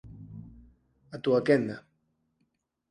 A túa quenda.